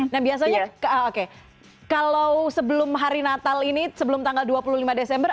nah biasanya oke kalau sebelum hari natal ini sebelum tanggal dua puluh lima desember